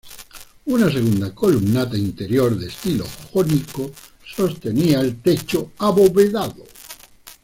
Una segunda columnata interior de estilo jónico, sostenía el techo abovedado.